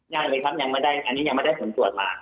ยังไงครับอันนี้ยังไม่ได้ส่วนตรวจมา